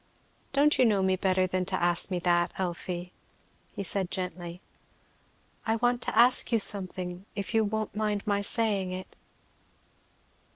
"Don't you know me better than to ask me that, Elfie?" he said gently. "I want to ask you something, if you won't mind my saying it."